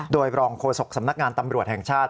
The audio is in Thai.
โดยรองโฆษกสำนักงานตำรวจแห่งชาติ